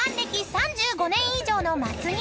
３５年以上の松兄］